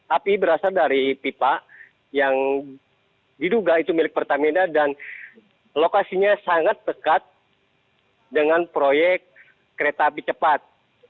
api berasal dari pipa yang diduga itu milik pertamina dan lokasinya sangat pekat dengan proyek kereta api cepat